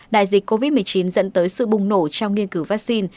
đại dịch covid một mươi chín dẫn tới sự bùng nổ trong nghiên cứu vắc xin